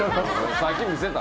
さっき見せた。